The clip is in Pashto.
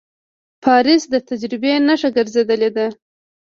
پاریس د تجربې نښه ګرځېدلې ده.